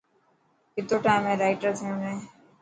ڪتو ٽائم هي رٽائر ٿيڻ ۾.